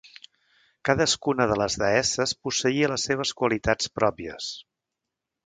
Cadascuna de les deesses posseïa les seves qualitats pròpies.